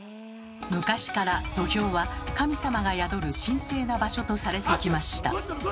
昔から土俵は神様が宿る神聖な場所とされてきました。